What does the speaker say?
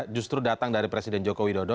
justru datang dari presiden jokowi dodo